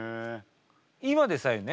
今でさえね